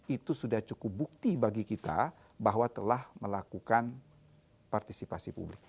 itu sudah cukup bukti bagi kita bahwa telah melakukan partisipasi publik